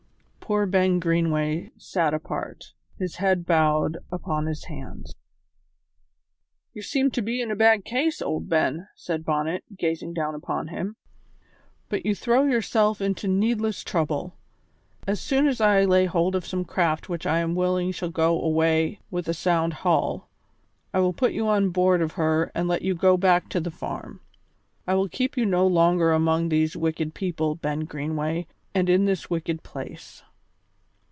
Poor Ben Greenway sat apart, his head bowed upon his hands. "You seem to be in a bad case, old Ben," said Bonnet, gazing down upon him, "but you throw yourself into needless trouble. As soon as I lay hold of some craft which I am willing shall go away with a sound hull, I will put you on board of her and let you go back to the farm. I will keep you no longer among these wicked people, Ben Greenway, and in this wicked place."